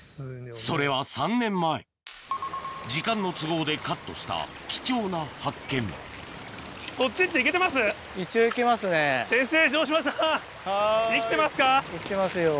それは３年前時間の都合でカットした貴重な発見生きてますよ